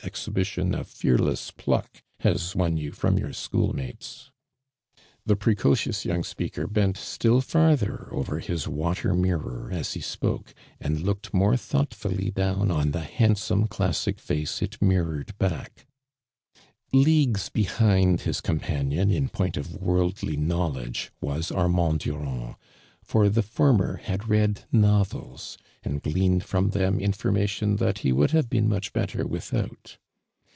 vhibitioii o\' fearless pliuk has won you from your sehool niate.^." The i»reinii()ii> young speaker bent still further over his water mirror us he spoke, and lookeil mori' thoughtfully down on the liandsionie classie face it mirrored back, [/•ugues behind his companion, in point of worldly knowledge, was Armand Durand, for tho former had read novels, and gleaned from them information that he would have been much l)ettor without.